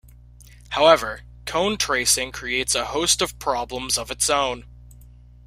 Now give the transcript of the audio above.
However, cone tracing creates a host of problems of its own.